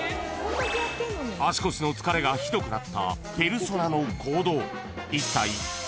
［足腰の疲れがひどくなったペルソナの行動］